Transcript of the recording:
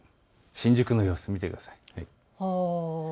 新宿の様子、見てください。